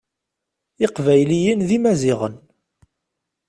Iqbayliyen d imaziɣen.